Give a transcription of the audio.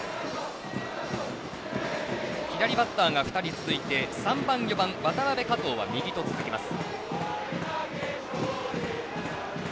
左バッターが２人続いて３番、４番、渡邉、加藤は右と続きます。